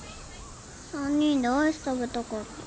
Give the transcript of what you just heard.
３人でアイス食べたかった。